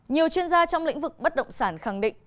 nhiều chuyên gia trong lĩnh vực bất động sản khẳng định